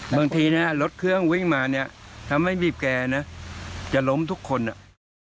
บางทีนะรถเครื่องวิ่งมาเนี่ยถ้าไม่บีบแกนะจะล้มทุกคนอ่ะ